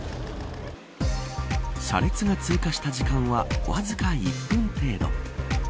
車列が通過した時間はわずか１分程度。